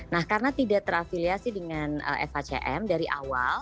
nah karena tidak terafiliasi dengan fhcm dari awal